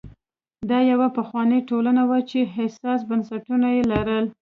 دا یوه پخوانۍ ټولنه وه چې حساس بنسټونه یې لرل.